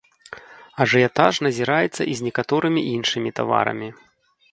Ажыятаж назіраецца і з некаторымі іншымі таварамі.